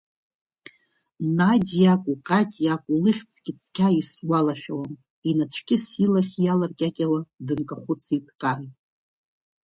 Надиа акәу, Катиа акәу, лыхьӡгьы цқьа исгәалашәауам, инацәкьыс илахь иаларкьакьауа дынкахәыцт Кан.